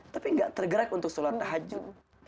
tapi tidak tergerak untuk sholat tahajud